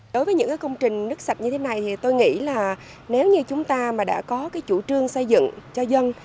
đối với những công trình nước sạch như thế này thì tôi nghĩ là nếu như chúng ta mà đã có cái chủ trương xây dựng cho dân